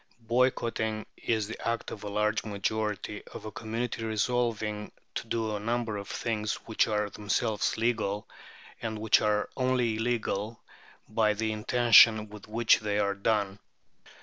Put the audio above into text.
Boycotting is the act of a large majority of a community resolving to do a number of things which are themselves legal, and which are only illegal by the intention with which they are done."